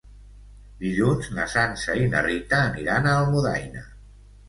Dilluns na Sança i na Rita aniran a Almudaina.